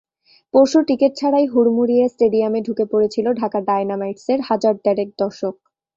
পরশু টিকিট ছাড়াই হুড়মুড়িয়ে স্টেডিয়ামে ঢুকে পড়েছিল ঢাকা ডায়নামাইটসের হাজার দেড়েক দর্শক।